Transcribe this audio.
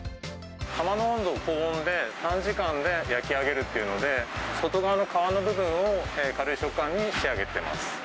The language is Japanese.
窯の温度を高温で、短時間で焼き上げるっていうので、外側の皮の部分を軽い食感に仕上げています。